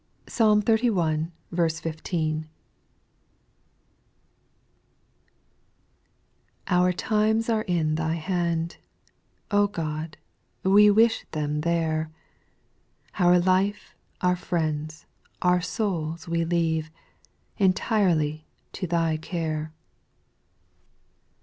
Psalm xxxi. 15. 1. /\UR times are in Thy hand, yj God, we wish them there ; Our life, our friends, our souls we leave Entirely to Thy care.